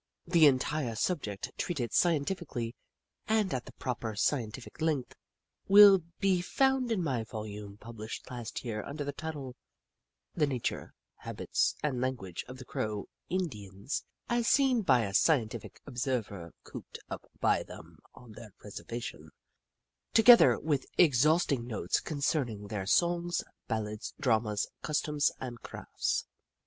The entire subject, treated scientifically, and at the proper scientific length, will be found in my volume published last year, under the title : The Na ture, Habits, and Langtmge of the Crow In dians, as Seen by a Scientific Observer Cooped up by Them on Their Reservation : Together with Exhausting Notes Concerning Their Songs, Ballads, Dramas, Customs, and Crafts.